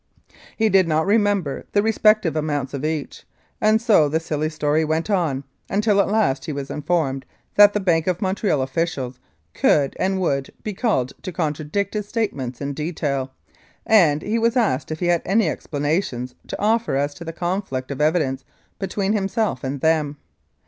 He did not remember the respective amounts of each, and so the silly story went on, until at last he was informed that the Bank of Montreal officials could, and would, be called to con tradict his statements in detail, and he was asked if he had any explanations to offer as to the conflict of evidence between himself and them.